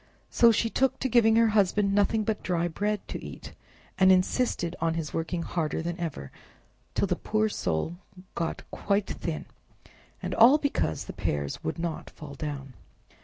So she took to giving her husband nothing but dry bread to eat, and insisted on his working harder than ever, till the poor soul got quite thin; and all because the pears would not fall down!